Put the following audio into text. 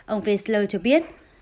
ông wiesler cho biết